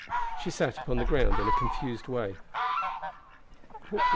She sat upon the ground in a confused way.